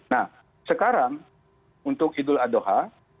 nah sekarang untuk idul adha